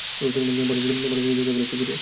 বালুর ছেলে দেখে ফেলেছে, গুরু।